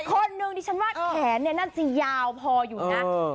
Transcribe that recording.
อีกคนนึงที่ฉันว่าแขนนั้นจะยาวพออยู่นะ